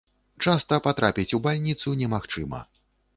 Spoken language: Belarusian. Часта патрапіць у бальніцу не магчыма.